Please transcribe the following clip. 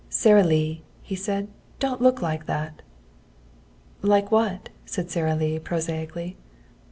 "Sara Lee!" he said. "Don't look like that!" "Like what?" said Sara Lee prosaically.